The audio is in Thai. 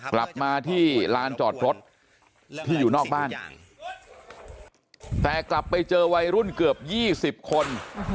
กลับมาที่ลานจอดรถที่อยู่นอกบ้านแต่กลับไปเจอวัยรุ่นเกือบ๒๐คน